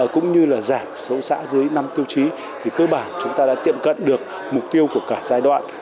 cũng như là giảm số xã dưới năm tiêu chí thì cơ bản chúng ta đã tiệm cận được mục tiêu của cả giai đoạn